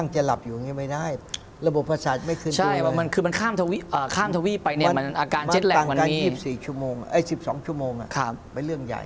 อเจมส์๑๔ชั่วโมงเอ่ย๑๒ชั่วโมงอะเป็นเรื่องใหญ่